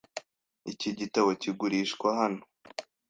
Iki gitabo kigurishwa hano.